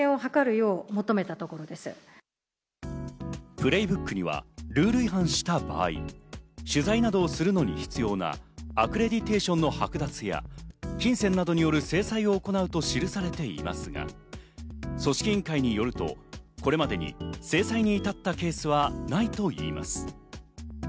プレイブックにはルール違反した場合、取材などをするのに必要なアクレディテーションの剥奪や、金銭などによる制裁をすると記されていますが、組織委員会によると、これまでに制裁に至ったケースはないといいます。